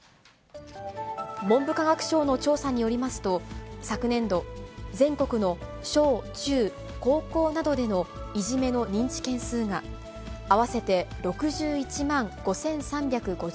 文部科学省の調査によりますと、昨年度、全国の小中高校などでのいじめの認知件数が、合わせて６１万５３５１件。